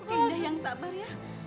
indah yang sabar ya